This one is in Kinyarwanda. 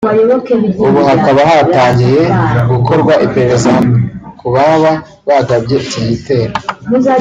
ubu hakaba hatangiye gukorwa iperereza kubaba bagabye iki gitero